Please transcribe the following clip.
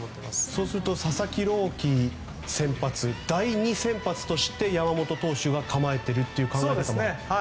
そうすると佐々木朗希先発第２先発として山本投手が構えているという考え方も。